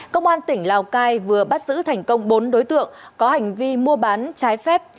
công an tỉnh lào cai vừa bắt giữ thành công bốn đối tượng có hành vi mua bán trái phép